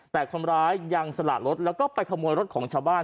แต่คนร้ายยังสละรถแล้วก็ไปขโมยรถของชาวบ้าน